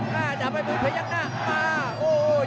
พยายามหน้ามาโอ้ย